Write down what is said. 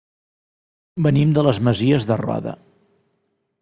Venim de les Masies de Roda.